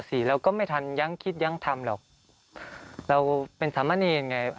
เราก็ไม่ทันยังคิดยั้งทำหรอกเราเป็นสามะเนรไง